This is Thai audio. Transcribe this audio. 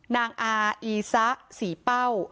นางอาอีซะศรีเป้า